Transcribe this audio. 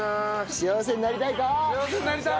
幸せになりたいかー！